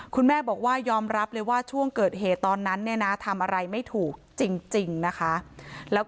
คุณแม่บอกว่ายอมรับเลยว่าช่วงเกิดเหตุตอนนั้นเนี่ยนะทำอะไรไม่ถูกจริงนะคะ